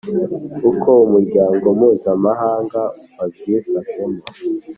Uko Umuryango mpuzamahanga wabyifashemo